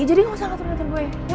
jadi gak usah ngatur ngatur gue